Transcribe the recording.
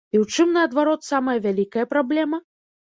І ў чым, наадварот, самая вялікая праблема?